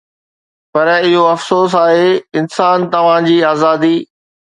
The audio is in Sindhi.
پر اهو افسوس آهي، انسان، توهان جي آزادي